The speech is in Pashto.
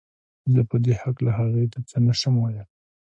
زه په دې هکله هغې ته څه نه شم ويلی